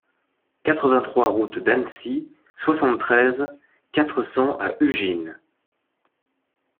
quatre-vingt-trois route d'Annecy, soixante-treize, quatre cents à Ugine